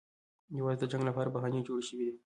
یوازې د جنګ لپاره بهانې جوړې شوې دي.